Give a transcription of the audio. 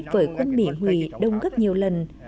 với quân mỹ hủy đông rất nhiều lần